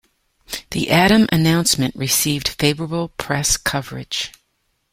The Adam announcement received favorable press coverage.